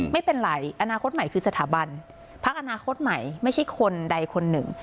ไม่เป็นไรอนาคตใหม่คือสถาบันพักอนาคตใหม่ไม่ใช่คนใดคนหนึ่ง